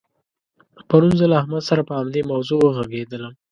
پرون زه له احمد سره په همدې موضوع وغږېدلم.